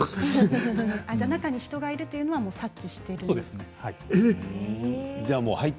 中に人がいるのは察知していると。